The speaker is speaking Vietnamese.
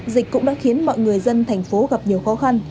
dịch cũng đã khiến mọi người dân thành phố gặp nhiều khó khăn